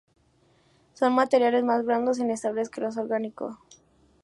Son materiales más blandos e inestables que los inorgánicos.